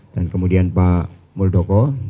dan kemudian pak muldoko